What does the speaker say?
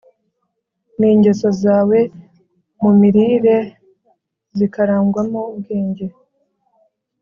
ningeso zawe mu mirire zikarangwamo ubwenge